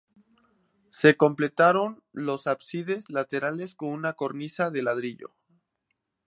Se completaron los ábsides laterales con una cornisa de ladrillo.